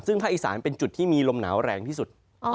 ซึ่งภาคอีสานเป็นจุดที่มีลมหนาวแรงที่สุด